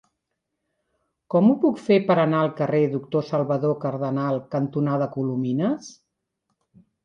Com ho puc fer per anar al carrer Doctor Salvador Cardenal cantonada Colomines?